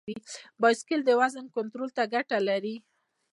بایسکل د وزن کنټرول ته ګټور دی.